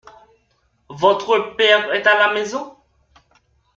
Votre père est à la maison ?